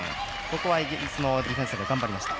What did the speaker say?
ここはイギリスのディフェンスが頑張りました。